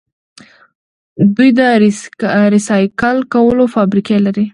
دوی د ریسایکل کولو فابریکې لري.